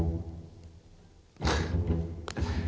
フッ。